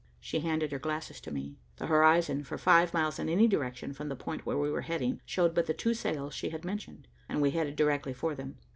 She handed her glasses to me. The horizon, for five miles in any direction from the point where we were heading, showed but the two sails she had mentioned, and we headed directly for them.